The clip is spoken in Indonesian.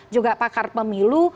juga pakar pemilu